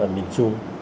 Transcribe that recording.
ở miền trung